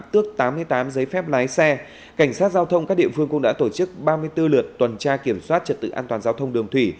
tước tám mươi tám giấy phép lái xe cảnh sát giao thông các địa phương cũng đã tổ chức ba mươi bốn lượt tuần tra kiểm soát trật tự an toàn giao thông đường thủy